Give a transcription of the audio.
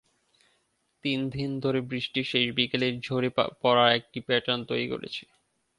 তিন দিন ধরে বৃষ্টি শেষ বিকেলে ঝরে পড়ার একটা প্যাটার্ন তৈরি করেছে।